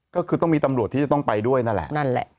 ก็คือต้องมีตำรวจที่จะต้องไปด้วยนั่นแหละนั่นแหละ